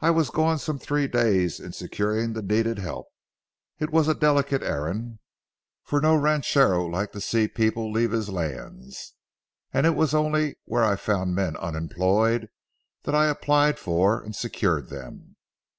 I was gone some three days in securing the needed help. It was a delicate errand, for no ranchero liked to see people leave his lands, and it was only where I found men unemployed that I applied for and secured them.